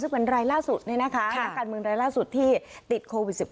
ซึ่งเป็นรายล่าสุดนักการเมืองรายล่าสุดที่ติดโควิด๑๙